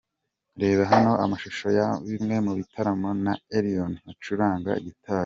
Reba hano amashusho ya bimwe mu bitaramo n’aho Elion acuranga gitari:.